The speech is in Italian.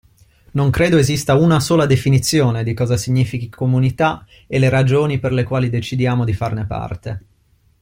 Non credo esista una sola definizione di cosa significhi comunità e le ragioni per le quali decidiamo di farne parte.